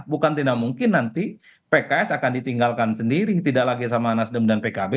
bukan tidak mungkin nanti pks akan ditinggalkan sendiri tidak lagi sama nasdem dan pkb